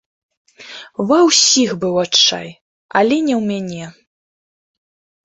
Ва ўсіх быў адчай, але не ў мяне.